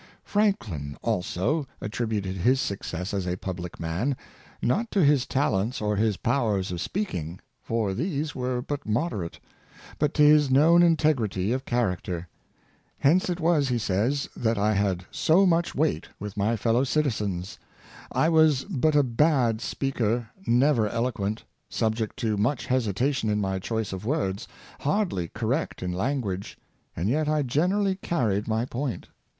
Franklin, also, attributed his success as a public man, not to his talents or his powers of speaking — for these were but moderate— but to his known integrity of Value of a Good Name, 603 character. Hence it was, he says, " that I had so much weight with my fellow citizens. I was but a bad speaker, never eloquent, subject to much hesitation in my choice of words, hardly correct in language, and yet I gener ally carried my point."